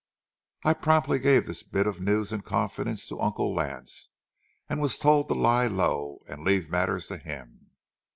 I promptly gave this bit of news in confidence to Uncle Lance, and was told to lie low and leave matters to him.